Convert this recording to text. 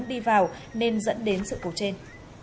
đi vào nên dẫn đến sự cầu trên